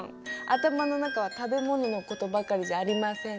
頭の中は食べ物のことばかりじゃありません。